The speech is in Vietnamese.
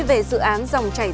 về dự án dòng chảy xe